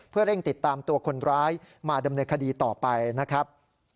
เพื่อเร่งติดตามตัวคนร้ายมาดำเนินคดีต่อไปนะครับ